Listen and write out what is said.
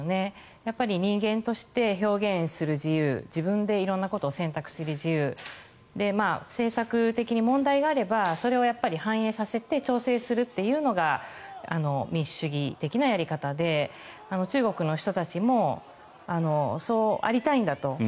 やっぱり人間として表現する自由自分で色んなことを選択する自由政策的に問題があればそれを反映させて調整するというのが民主主義的なやり方で中国の人たちもそうありたいんだと。